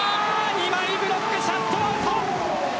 ２枚ブロック、シャットアウト。